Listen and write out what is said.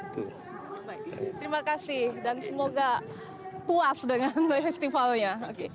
terima kasih dan semoga puas dengan festivalnya